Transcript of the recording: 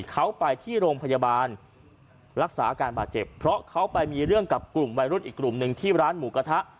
เขาไปที่โรงพยาบาลรักษาอาการบาดเจ็บเพราะเขาไปมีเรื่องกับกลุ่มวัยรุ่นอีกกลุ่มหนึ่งที่ร้านหมูกระทะ